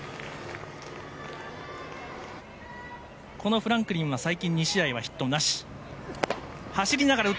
フランクリンは最近２試合はヒットなし。